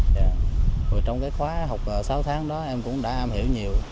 rồi trong cái khóa học sáu tháng đó em cũng đã am hiểu nhiều